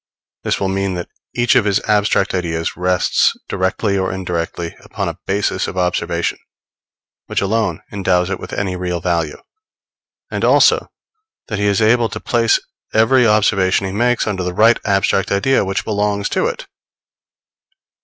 This will mean that each of his abstract ideas rests, directly or indirectly, upon a basis of observation, which alone endows it with any real value; and also that he is able to place every observation he makes under the right abstract idea which belongs to it.